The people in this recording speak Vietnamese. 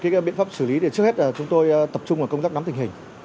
cái biện pháp xử lý trước hết chúng tôi tập trung vào công tác nắm tình hình